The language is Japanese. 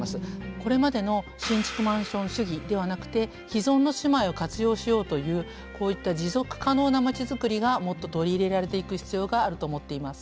これまでの新築マンション主義ではなくて既存の住まいを活用しようというこういった持続可能な町作りがもっと取り入れられていく必要があると思っています。